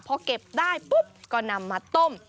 พอเก็บได้ปุ๊บก็นำมาต้ม